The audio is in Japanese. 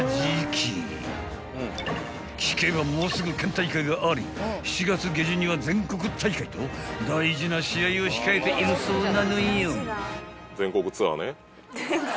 ［聞けばもうすぐ県大会があり７月下旬には全国大会と大事な試合を控えているそうなのよ］